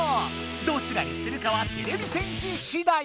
どちらにするかはてれび戦士しだい。